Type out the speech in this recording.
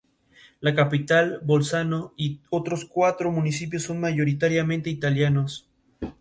Están hechos de ingredientes naturales y rara vez contienen aditivos.